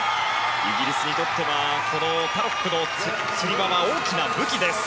イギリスにとってはタロックのつり輪が大きな武器です。